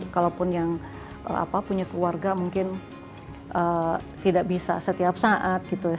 kalaupun yang punya keluarga mungkin tidak bisa setiap saat gitu ya